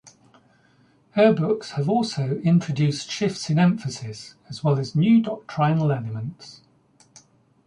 Her books have also introduced shifts in emphasis as well as new doctrinal elements.